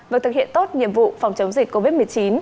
vừa thực hiện tốt nhiệm vụ phòng chống dịch covid một mươi chín